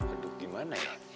aduh gimana ya